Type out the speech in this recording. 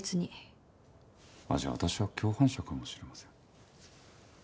あっじゃあ私は共犯者かもしれません。